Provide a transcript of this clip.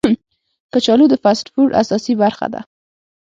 کچالو د فاسټ فوډ اساسي برخه ده